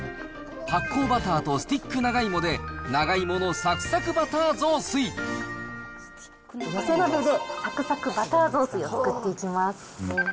発酵バターとスティック長芋で、寄せ鍋で、サクサクバター雑炊を作っていきます。